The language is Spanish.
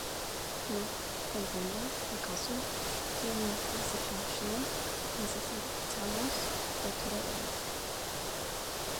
¿No comprendes, acaso, que en nuestra situación necesitamos de todo el mundo?